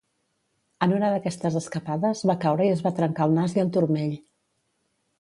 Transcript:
En una d'aquestes escapades va caure i es va trencar el nas i el turmell.